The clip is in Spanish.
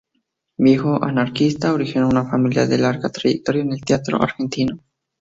Viejo anarquista, originó una familia de larga trayectoria en el Teatro Argentino.